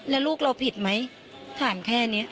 แล้วลูกเราผิดไหมถามแค่นี้